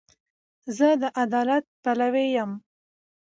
زه د عدالت پلوی یم.